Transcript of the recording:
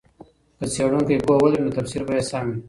که څېړونکی پوهه ولري نو تفسیر به یې سم وي.